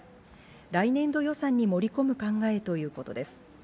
来年度予算に盛り込む考えということです。